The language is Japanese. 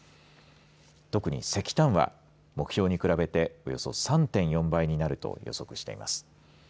特に石炭は目標に比べておよそ３．４倍になると予測しています。